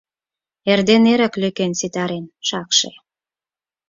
— Эрден эрак лӧкен ситарен, шакше.